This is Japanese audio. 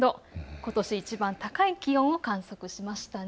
ことし、いちばん高い気温を観測しましたね。